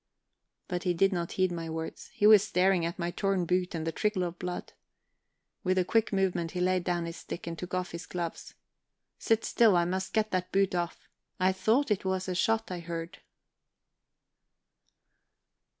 But he did not heed my words; he was staring at my torn boot and the trickle of blood. With a quick movement he laid down his stick and took off his gloves. "Sit still I must get that boot off. I thought it was a shot I heard."